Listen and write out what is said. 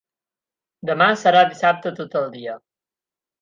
Demà serà dissabte tot el dia.